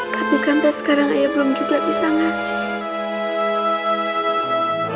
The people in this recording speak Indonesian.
tapi sampai sekarang ayah belum juga bisa ngasih